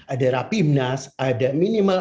ada rapimnas ada minimal